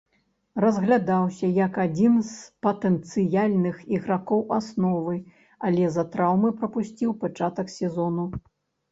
Разглядаўся як адзін з патэнцыяльных ігракоў асновы, але з-за траўмы прапусціў пачатак сезону.